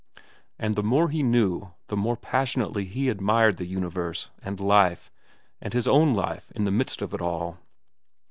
And the more he knew, the more passionately he admired the universe, and life, and his own life in the midst of it all.